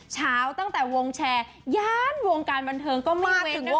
เช้าตั้งแต่วงแชร์ย้านวงการบันเทิงก็ไม่เว้นนะครับคุณผู้ชม